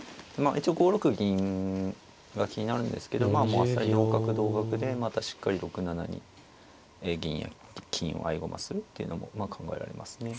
一応５六銀が気になるんですけどまあもうあっさり同角同角でまたしっかり６七に銀や金を合駒するっていうのも考えられますね。